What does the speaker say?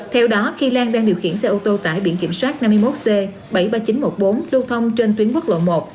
theo đó khi lan đang điều khiển xe ô tô tải biển kiểm soát năm mươi một c bảy mươi ba nghìn chín trăm một mươi bốn lưu thông trên tuyến quốc lộ một